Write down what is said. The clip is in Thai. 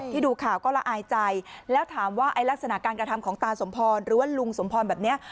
ดูข่าวก็ละอายใจแล้วถามว่าไอ้ลักษณะการกระทำของตาสมพรหรือว่าลุงสมพรแบบนี้